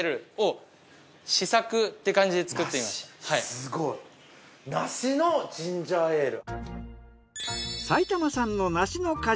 すごい梨のジンジャーエール。